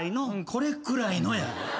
「これくらいの」や。